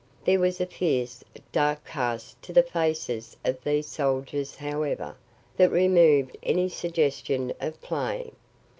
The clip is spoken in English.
There was a fierce, dark cast to the faces of these soldiers, however, that removed any suggestion of play.